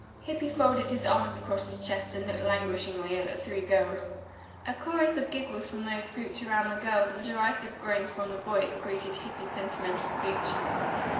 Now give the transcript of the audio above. Hippy folded his arms across his chest and looked languishingly at the three girls. A chorus of giggles from those grouped around the girls and derisive groans from the boys greeted Hippy's sentimental speech.